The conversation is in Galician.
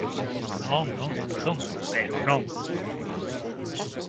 Non, non; perdón, pero non.